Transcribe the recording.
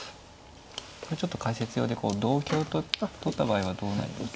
ちょっと解説用でこう同香と取った場合はどうなります。